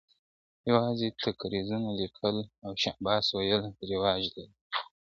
یوازي تقریظونه لیکل او شاباس ویل رواج لري ,